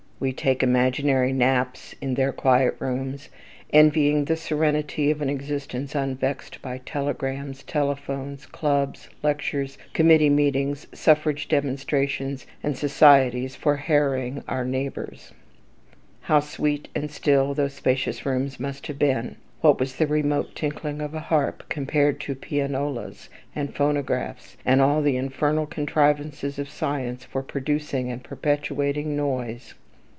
We take imaginary naps in their quiet rooms, envying the serenity of an existence unvexed by telegrams, telephones, clubs, lectures, committee meetings, suffrage demonstrations, and societies for harrying our neighbours. How sweet and still those spacious rooms must have been! What was the remote tinkling of a harp, compared to pianolas, and phonographs, and all the infernal contrivances of science for producing and perpetuating noise?